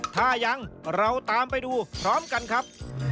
ถ้ายังเราตามไปดูพร้อมกันครับ